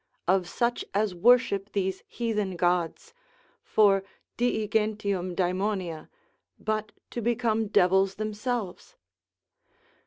of such as worship these heathen gods, for dii gentium daemonia, but to become devils themselves?